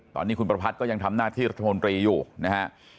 ตอนนี้คุณประพัทธ์ก็ยังทำหน้าที่รัฐมนตรีอยู่นะฮะ